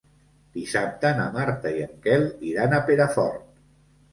Dissabte na Marta i en Quel iran a Perafort.